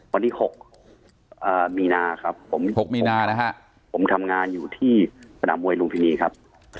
วันนี้๖มครับผมทำงานอยู่ที่สนามมวยลุมภินีครับ